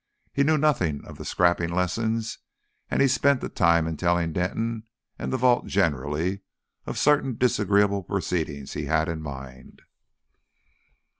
He knew nothing of the scrapping lessons, and he spent the time in telling Denton and the vault generally of certain disagreeable proceedings he had in mind.